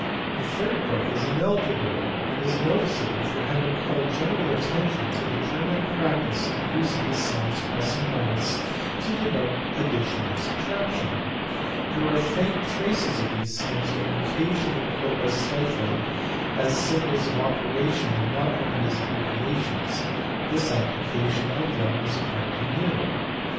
The third book is on algebra, and is noticeable for having called general attention to the German practice of using the signs + and to denote addition and subtraction. There are faint traces of these signs being occasionally employed by Stifel as symbols of operation and not only as abbreviations; this application of them was apparently new.